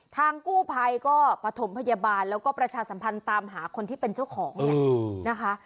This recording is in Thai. ทางกู้ภัยก็ประถมพยาบาลแล้วก็ประชาสัมพันธ์ตามหาคนที่เป็นเจ้าของเนี่ยนะคะ